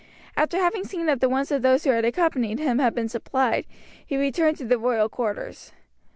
After having seen that the wants of those who had accompanied him had been supplied he returned to the royal quarters.